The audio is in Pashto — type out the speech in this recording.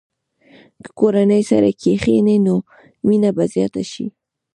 که کورنۍ سره کښېني، نو مینه به زیاته شي.